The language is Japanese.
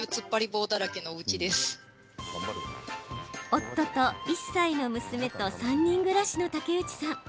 夫と１歳の娘と３人暮らしの竹内さん。